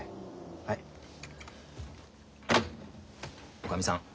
おかみさん。